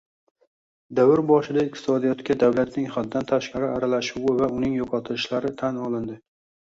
Davr boshida iqtisodiyotga davlatning haddan tashqari aralashuvi va uning yo'qotishlari tan olindi